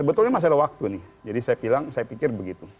ini sudah waktu nih jadi saya bilang saya pikir begitu